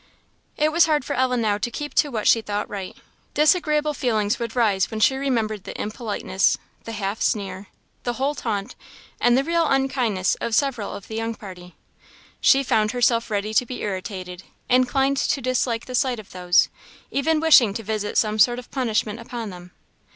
It was hard for Ellen now to keep to what she thought right. Disagreeable feelings would rise when she remembered the impoliteness, the half sneer, the whole taunt, and the real unkindness of several of the young party. She found herself ready to be irritated, inclined to dislike the sight of those, even wishing to visit some sort of punishment upon them.